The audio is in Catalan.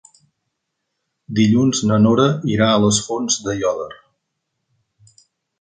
Dilluns na Nora irà a les Fonts d'Aiòder.